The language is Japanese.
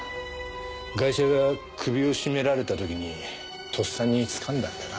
ガイシャが首を絞められた時にとっさに掴んだんだな。